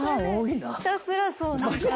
ひたすらそう何か。